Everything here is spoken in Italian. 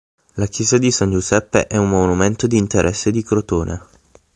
La Chiesa di San Giuseppe è un monumento di interesse di Crotone.